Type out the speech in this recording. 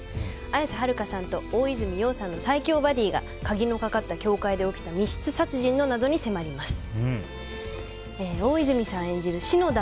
綾瀬はるかさんと大泉洋さんの最強バディーが鍵のかかった教会で起きた密室殺人の謎に迫ります。